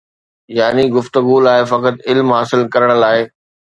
يعني گفتگوءَ لاءِ فقط علم حاصل ڪرڻ لاءِ